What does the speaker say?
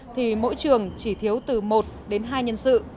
thì mỗi trường chỉ thiếu từ một đến hai nhân sự